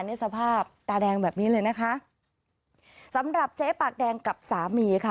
ในสภาพตาแดงแบบนี้เลยนะคะสำหรับเจ๊ปากแดงกับสามีค่ะ